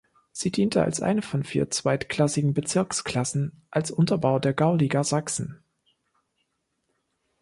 Sie diente als eine von vier zweitklassigen Bezirksklassen als Unterbau der Gauliga Sachsen.